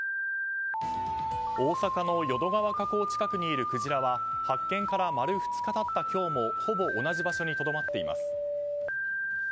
大阪の淀川河口近くにいるクジラは発見から丸２日経った今日もほぼ同じ場所にとどまっています。